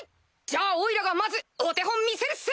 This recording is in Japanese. じゃあオイラがまずお手本見せるっす！